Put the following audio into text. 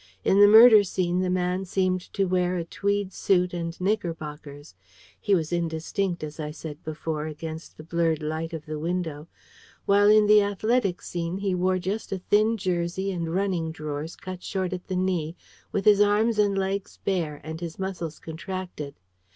In the murder scene, the man seemed to wear a tweed suit and knickerbockers, he was indistinct, as I said before, against the blurred light of the window: while in the athletic scene, he wore just a thin jersey and running drawers, cut short at the knee, with his arms and legs bare, and his muscles contracted.